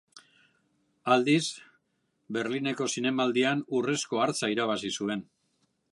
Aldiz, Berlingo Zinemaldian Urrezko Hartza irabazi zuen.